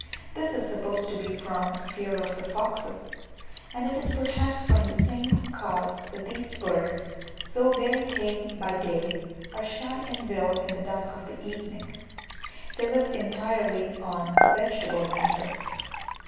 This is supposed to be from fear of the foxes: and it is perhaps from the same cause that these birds, though very tame by day, are shy and wild in the dusk of the evening. They live entirely on vegetable matter.